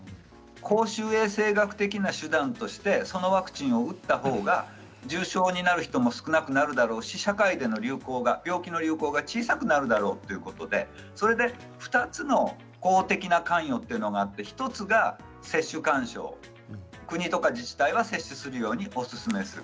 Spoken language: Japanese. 公衆衛生学的な手段としてそのワクチンを打ったほうが重症になる人も少なくなるだろうし社会での病気の流行が小さくなるだろうということで２つの法的な関与というのがあって１つが接種勧奨国とか自治体が接種するようにおすすめします